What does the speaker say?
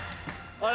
あれ？